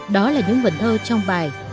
đó là những vần thơ trong bài